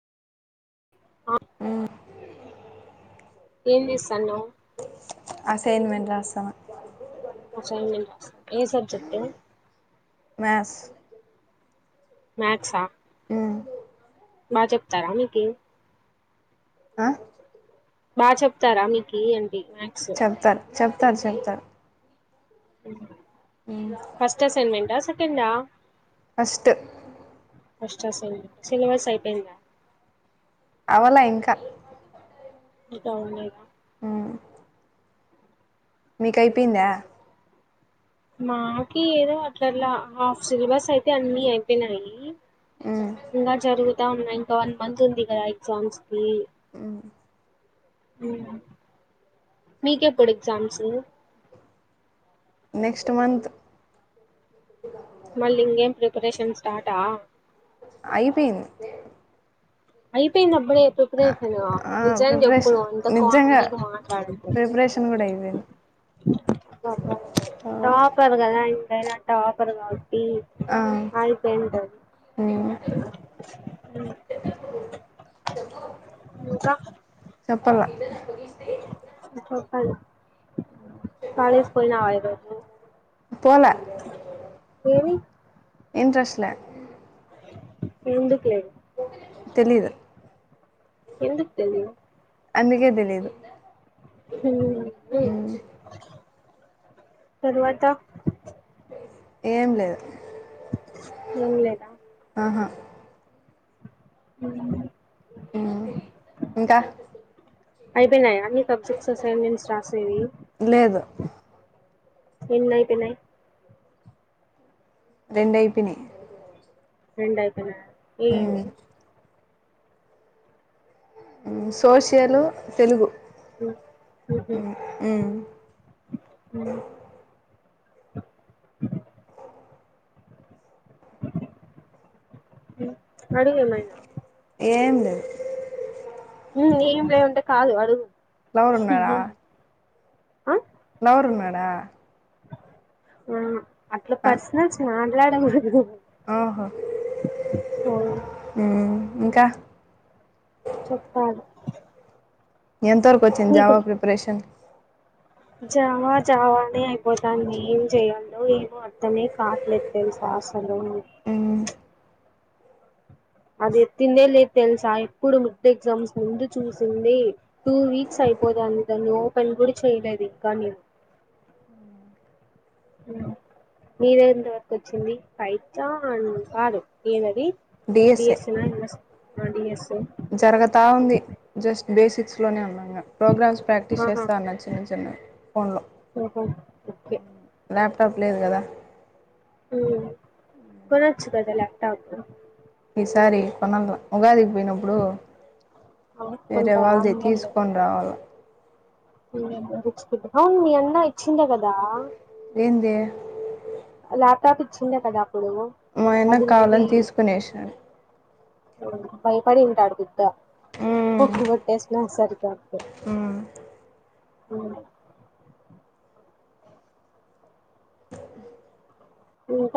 ఆ మ్మ్ ఏం చేస్తన్నావ్ అసైన్మెంట్ రాస్తాన అసైన్మెంట్ ఏ సబ్జెక్ట్ మ్యాస్ మ్యాథ్స్ ఆ హ్మ్ బా చెప్తారా మీకీ ఆ ఆ చెప్ ఇస్తారా మీకు అంటి మ్యాక్స్ చెప్తారు చెప్తారు చెప్తారు మ్మ్ స ఫస్ట్ అసైన్మెంటా సెకండ్ ఆ ఫస్ట్ ఫస్ట్ అసైన్మెంట్ సిలబస్ అయిపోయిందా అవలా ఇంకా [unintelligible] ఆ మీకు అయిపోయిందా మాకి ఏదో అట్ల అట్ల ఆఫ్ సిలబస్ అయితే అన్ని అయిపోయినాయి మ్మ్ ఇంకా జరుగుతా ఉన్నాయి ఒక వన్ మంత్ ఉంది కదా ఎగ్జామ్స్ కి హ్మ్ మీకెప్పుడు ఎగజామ్స్ నెక్స్ట్ మంత్ మళ్ళీ ఇంకేం ప్రిపరేషన్ స్టార్టా అయిపోయింది అయిపోయింద అ అప్పుడే ఆ ప్రిపరేషన్ ఆ నీజం చెపు ప్రిపరేషన్ అంత నిజంగా కామెడీ గా మాట్లాడకు ప్రిపరేషన్ కూడా అయిపోయింది టాపర్ కదా ఎంతైనా టాప్పర్ కాబట్టి ఈ ఆ ఆయిపోంటది మ్మ్ ఇంకా చెప్పల చో పల కాలేజ్ కి పోయినవ ఈ రోజు పోలే ఇంట్రెస్ట్ లే ఎందుకు లేదు తెలీదు ఎందుకు తెలీదు అందుకే తెలీదు హూ మ్మ్ తరువాత ఏం లేదు ఏం లేదా అహా హ్మ్ మ్మ్ ఇంకా అయిపోయినాయా అన్ని సబ్జెక్ట్స్ అసైన్మెంట్స్ రాసేవి లేదు ఏన్నైపోయినాయి రెండైపోయినయ్ రెండు అయిపోయినాయ ఆ సోషియలు తెలుగు ఉహు [inaudible] హు అడిగేమైనా [unintelligible] ఏం లే ఉంటే కాదు అడుగు లవరు ఉన్నాడా అ వరున్నాడా అ అట్లా పర్సనల్స్ మా [unintelligible] ఆహా ఉమ్ ఇంకా చెప్పాలి ఎంతవరకు వచ్చింది నీకు జావా ప్రిపరేషన్ జావా జావానే అయిపోతాంది ఏం చేయాలో ఏమో అర్థమే కాట్లేదు తెల్సా అస్ హలో ఉమ్ అది ఎత్తిందే లేదు తెలుసా ఇప్పుడు మిడ్ ఎగ్జామ్స్ ముందు చూసింది టూ వీక్స్ అయిపోతాం ది ఓపెన్ గూడ చెయిలేదికాని మీదెంతవరకు వచ్చింది పైథాన్ కాదు ఏందదీ డిఎస్ఏ బిఎస్ నా ఎంఎస్ అడి ఎస్ జరగతా ఉంది జస్ బేసిక్స్ లోనే ఉన్నాము ప్రోగ్రామ్స్ ప్రాక్టీస్ ఆహా చేస్తా ఉన్నాన్ చిన్న చిన్న ఫోన్ లో ఓహో ఓకే తప్పు లేదు కదా ఉమ్మ్ కొనొచ్చు కదా ల్యాప్టాపు ఈసారి కొనాల ఉగాది పోయినప్పుడు వేరే కొనుక్కుంటావా వాళ్ళది ఆన్లైన్ లో తీసుకొని రావాల అవును మీ అన్న ఇచ్చిందే కదా ఏంది ల్యాప్టాప్ ఇచ్చిందే కదా అప్పుడు మా ఆయన కావాలని తీసుకొనేసినాడు బయపడింటాడుది ట మ్మ్ పప్పు కొట్టేసినా సరి [unintelligible] మ్మ్ అ [unintelligible]